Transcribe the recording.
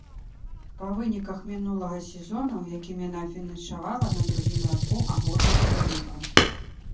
Па выніках мінулага сезона, у якім яна фінішавала на другім радку агульнага заліку.